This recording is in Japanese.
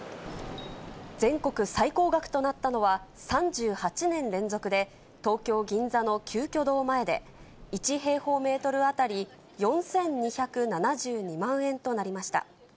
全国最高額となったのは、３８年連続で東京・銀座の鳩居堂前で、１平方メートル当たり４２７２万円となりました。